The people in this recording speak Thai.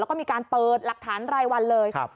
แล้วก็มีการเปิดหลักฐานไรวันเลยครับ